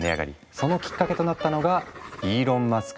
そのきっかけとなったのがイーロン・マスク